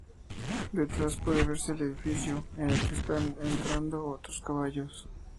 Detrás puede verse el edificio, en el que están entrando otros dos caballos.